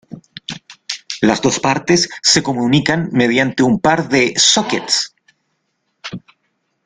Las dos partes se comunican mediante un par de "sockets".